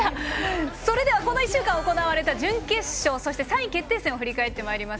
この１週間行われた準決勝、そして３位決定戦を振り返っていきます。